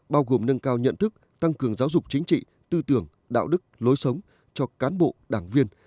bao gồm nâng cao nhận thức tăng cường giáo dục chính trị tư tưởng đạo đức lối sống cho cán bộ đảng viên